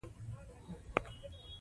پښتو ژبه مو د ژوند رڼا ده.